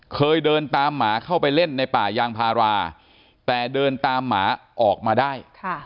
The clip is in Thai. เคยเดินตามหมาเข้าไปเล่นในป่ายางพาราแต่เดินตามหมาออกมาได้